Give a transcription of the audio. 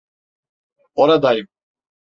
Oradayım.